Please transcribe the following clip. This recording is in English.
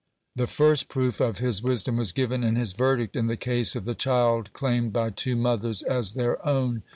(25) The first proof of his wisdom was given in his verdict in the case of the child claimed by two mothers as their own.